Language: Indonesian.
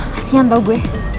kasian tau gue